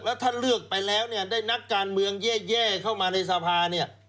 แล้วถ้าเลือกไปแล้วเนี่ยได้นักการเมืองแย่เข้ามาในสภาเนี่ย